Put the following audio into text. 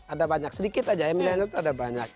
ada banyak sedikit aja ya milenial itu ada banyak